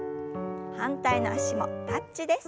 反対の脚もタッチです。